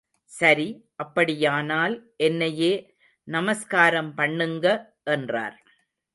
சரி அப்படியானால் என்னையே நமஸ்காரம் பண்ணுங்க என்றார்.